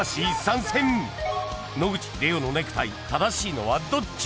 ［野口英世のネクタイ正しいのはどっち？］